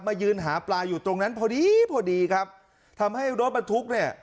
ยืนหาปลาอยู่ตรงนั้นพอดีพอดีครับทำให้รถบรรทุกเนี่ย